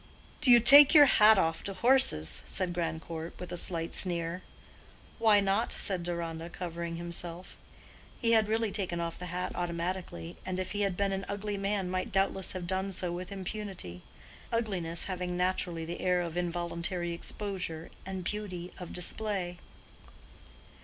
"Do you take off your hat to horses?" said Grandcourt, with a slight sneer. "Why not?" said Deronda, covering himself. He had really taken off the hat automatically, and if he had been an ugly man might doubtless have done so with impunity; ugliness having naturally the air of involuntary exposure, and beauty, of display.